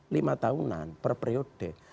lima tahunan per periode